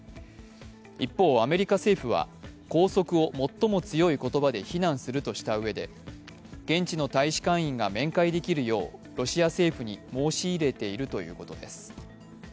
一方、アメリカ政府は拘束を最も強い言葉で非難するとしたうえで現地の大使館員が面会できるようロシア政府に申し入れているということです。